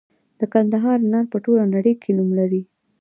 د کندهار انار په ټوله نړۍ کې نوم لري.